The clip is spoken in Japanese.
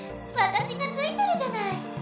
わたしがついてるじゃない。